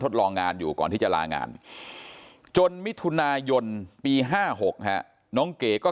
ลองงานอยู่ก่อนที่จะลางานจนมิถุนายนปี๕๖น้องเก๋ก็